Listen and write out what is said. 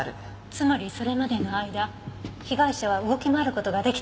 つまりそれまでの間被害者は動き回る事が出来たという事でしょうか？